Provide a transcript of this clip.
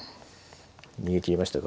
逃げきりましたか。